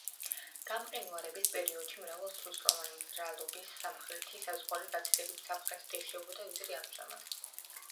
გამყინვარების პერიოდში მრავალწლოვანი მზრალობის სამხრეთი საზღვარი გაცილებით სამხრეთით ეშვებოდა, ვიდრე ამჟამად.